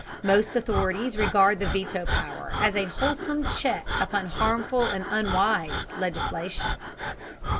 Most authorities regard the veto power as a wholesome check upon harmful and unwise legislation.